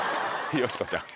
よしこちゃん。